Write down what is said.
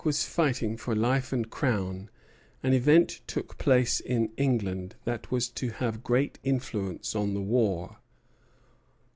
While Frederic was fighting for life and crown, an event took place in England that was to have great influence on the war.